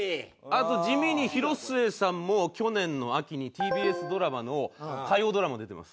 あと地味に広末さんも去年の秋にＴＢＳドラマの火曜ドラマ出てます。